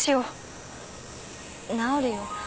治るよ。